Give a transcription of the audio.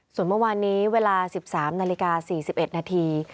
ส่วนเมื่อวานนี้เวลา๑๓นาฬิกา๔๑นาที